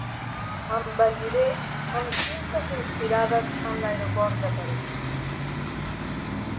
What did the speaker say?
Embelliré amb cintes inspirades en l'aeroport de París.